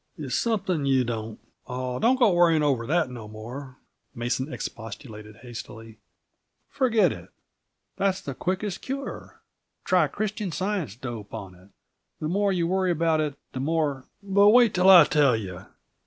It's something you don't " "Oh, don't go worrying over that, no more," Mason expostulated hastily. "Forget it. That's the quickest cure; try Christian Science dope on it. The more you worry about it, the more " "But wait till I tell you!